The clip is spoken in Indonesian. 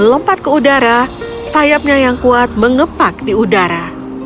melompat ke udara sayapnya yang kuat mengepak di udara